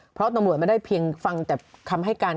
เพราะตำรวจไม่ได้เพียงฟังแต่คำให้การ